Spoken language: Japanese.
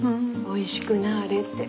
おいしくなれって。